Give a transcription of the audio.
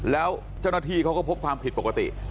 แล้วเจ้าหน้าที่เขาก็พบความผิดปกติ